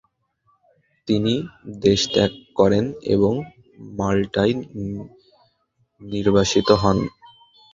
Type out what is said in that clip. তিনি দেশত্যাগ করেন এবং মাল্টায় নির্বাসিত হন।